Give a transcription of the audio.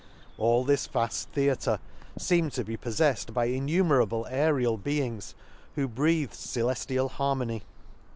— All this vaft theatre, feemed to be poffefTed by innumerable asrial beings, who breathed coeleftial har mony.